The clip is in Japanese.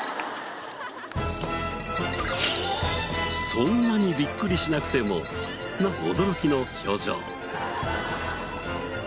そんなにビックリしなくてもな驚きの表情。